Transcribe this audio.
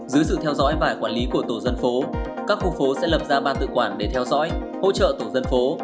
dưới sự theo dõi và quản lý của tổ dân phố các khu phố sẽ lập ra ban tự quản để theo dõi hỗ trợ tổ dân phố